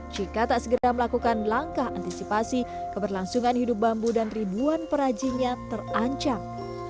jika tak segera melakukan langkah antisipasi keberlangsungan hidup bambu dan ribuan perajinnya terancam